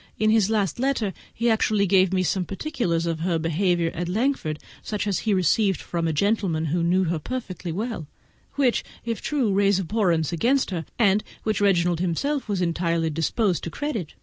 In his last letter he actually gave me some particulars of her behaviour at Langford, such as he received from a gentleman who knew her perfectly well, which, if true, must raise abhorrence against her, and which Reginald himself was entirely disposed to credit.